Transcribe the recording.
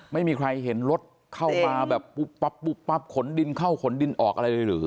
ไม่มีใครเห็นรถเข้ามาแบบปุ๊บปั๊บปุ๊บปั๊บขนดินเข้าขนดินออกอะไรเลยหรือ